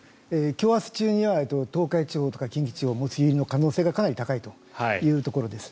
今日明日中には東海地方、近畿地方も梅雨入りの可能性がかなり高いというところです。